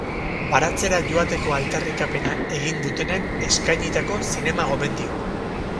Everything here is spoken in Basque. Baratzera joateko aldarrikapena egin dutenen eskainitako zinema-gomendioa.